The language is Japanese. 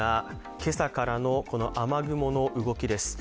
今朝からの雨雲の動きです。